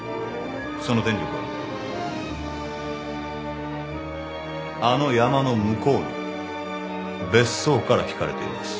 その電力はあの山の向こうの別荘から引かれています。